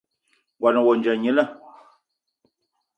Ngón ohandja gnila